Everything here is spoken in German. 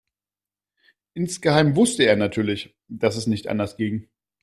Insgeheim wusste er natürlich, dass es nicht anders ging.